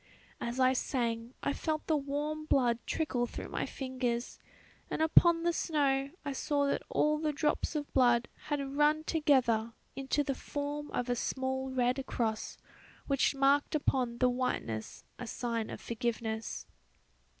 As I sang I felt the warm blood trickle through my fingers, and upon the snow I saw that all the drops of blood had run together into the form of a small red cross, which marked upon the whiteness a sign of forgiveness.